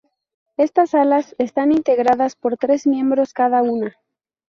Estas salas están integradas por tres miembros cada una.